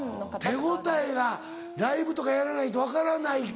手応えがライブとかやらないと分からないか。